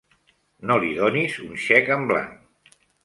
No li donis un xec en blanc!